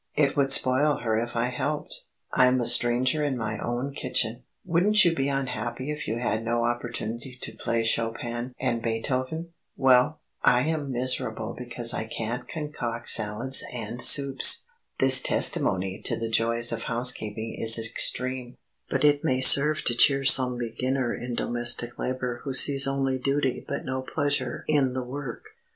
It would spoil her if I helped. I am a stranger in my own kitchen. Wouldn't you be unhappy if you had no opportunity to play Chopin and Beethoven? Well, I am miserable because I can't concoct salads and soups." This testimony to the joys of housekeeping is extreme, but it may serve to cheer some beginner in domestic labor who sees only duty but no pleasure in the work.